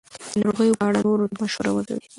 د ناروغیو په اړه نورو ته مشوره ورکوي.